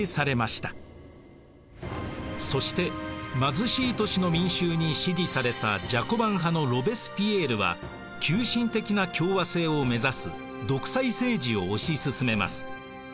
そして貧しい都市の民衆に支持されたジャコバン派のロベスピエールは急進的な共和政を目指す独裁政治を押し進めます。